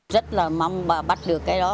rất là mong bắt được cái đó